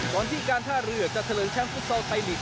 ก่อนที่การท่าเรือกจะเถลงชั้นฟุตเซลล์ไตลิก